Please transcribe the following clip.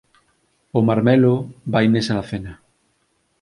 O marmelo vai nesa lacena